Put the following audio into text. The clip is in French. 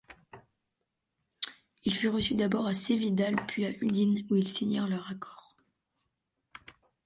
Il fut reçu d’abord à Cividale puis à Udine où ils signèrent leur accord.